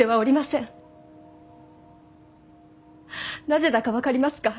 なぜだか分かりますか。